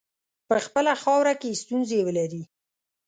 په خپله خاوره کې ستونزي ولري.